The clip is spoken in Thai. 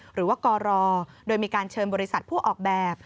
หรือว่ากรโดยมีการเชิญบริษัทผู้ออกแบบ